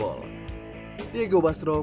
oke kita mulai dan kemudian